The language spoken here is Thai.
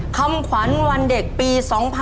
คำขวัญวันเด็กปี๒๕๖๒